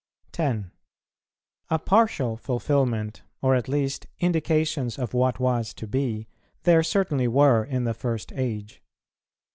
10. A partial fulfilment, or at least indications of what was to be, there certainly were in the first age.